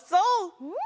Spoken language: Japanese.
うん！